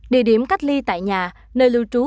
địa điểm cách ly tại nhà nơi lưu trú